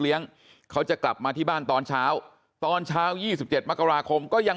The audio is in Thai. เขาจะกลับมาที่บ้านตอนเช้าตอนเช้า๒๗มกราคมก็ยัง